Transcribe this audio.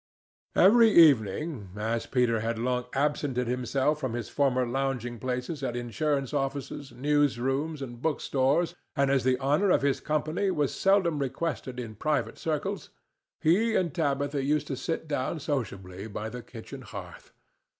Every evening—as Peter had long absented himself from his former lounging places at insurance offices, news rooms, and book stores, and as the honor of his company was seldom requested in private circles—he and Tabitha used to sit down sociably by the kitchen hearth.